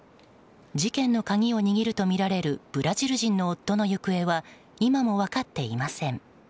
事件の鍵を握るとみられるブラジル人の夫の行方は今も分かっていません。